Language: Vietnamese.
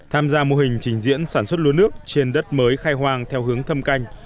tham gia mô hình trình diễn sản xuất lúa nước trên đất mới khai hoang theo hướng thâm canh